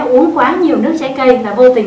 uống quá nhiều nước trái cây là vô tình